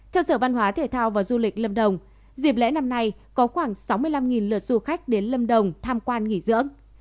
theo sở văn hóa thể thao và du lịch lâm đồng dịp lễ năm nay có khoảng sáu mươi năm lượt du khách đến lâm đồng tham quan nghỉ dưỡng